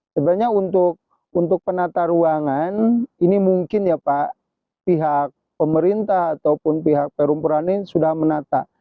sebenarnya untuk penata ruangan ini mungkin ya pak pihak pemerintah ataupun pihak perumpuran ini sudah menata